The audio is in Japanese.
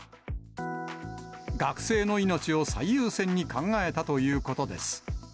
学生の命を最優先に考えたということです。